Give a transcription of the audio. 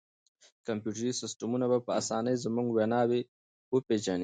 کمپیوټري سیسټمونه به په اسانۍ زموږ وینا وپېژني.